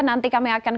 nanti kami akan kembali